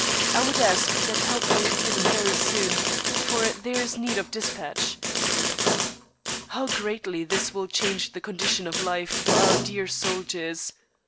I would ask that help may be given very soon, for there is need of dispatch. How greatly this will change the condition of life for our dear soldiers.